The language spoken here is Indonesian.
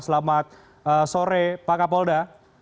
selamat sore pak kapolda